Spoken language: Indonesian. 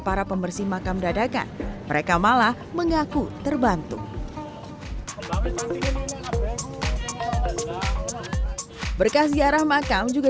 para pembersih makam dadakan mereka malah mengaku terbantu berkas ziarah makam juga